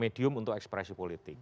medium untuk ekspresi politik